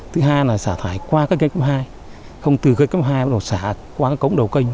thứ hai là xả thải qua cái kênh cấp hai không từ kênh cấp hai bắt đầu xả qua cái cổng đầu kênh